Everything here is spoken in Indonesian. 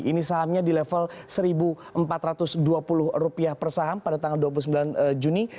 ini sahamnya di level rp satu empat ratus dua puluh per saham pada tanggal dua puluh sembilan juni